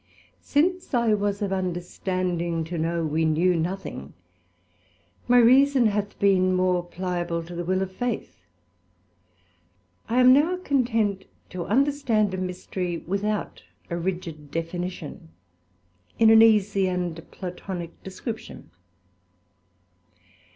Since I was of understanding to know we knew nothing, my reason hath been more pliable to the will of Faith; I am now content to understand a mystery without a rigid definition, in an easie and Platonick description.